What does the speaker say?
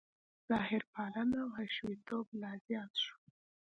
ظاهرپالنه او حشویتوب لا زیات شو.